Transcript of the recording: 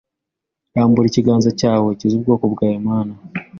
Rambura ikiganza cyawe ukize ubwoko bwawe mana